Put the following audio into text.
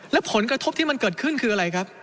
และผลกระทบที่มันเกิดขึ้นคืออะไรครับ